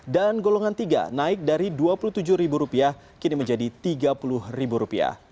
dan golongan tiga naik dari rp dua puluh tujuh kini menjadi rp tiga puluh